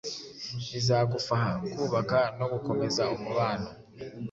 bizagufaha kubaka no gukomeza umubano,